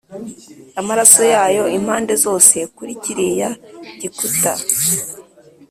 amaraso yayo impande zose kuri kiriya gikuta.